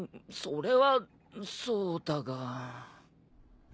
それはそうだが。